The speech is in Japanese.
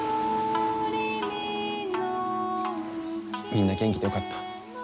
みんな元気でよかった。